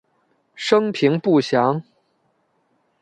生平不详。